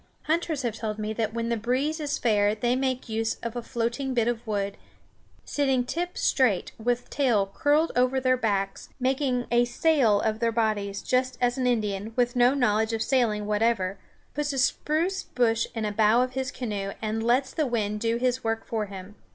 Hunters have told me that when the breeze is fair they make use of a floating bit of wood, sitting tip straight with tail curled over their backs, making a sail of their bodies just as an Indian, with no knowledge of sailing whatever, puts a spruce bush in a bow of his canoe and lets the wind do his work for him.